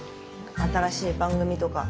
新しい番組とか。